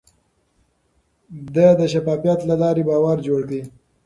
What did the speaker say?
ده د شفافيت له لارې باور جوړ کړ.